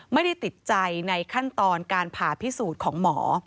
ไม่ได้ติดใจในขั้นตอนการผ่าพิสูจน์ของหมอ